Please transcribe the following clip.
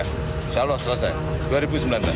insya allah selesai dua ribu sembilan belas